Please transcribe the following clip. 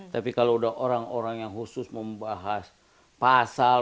tapi kalau udah orang orang yang khusus membahas pasal